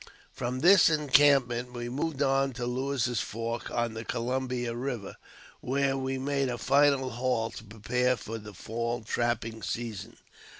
From this encampment we moved on to Lewis's Fork, on the Columbia Eiver, where we made a final halt to prepare for the fall trapping season.